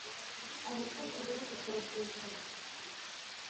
Abatatu be gutotezwa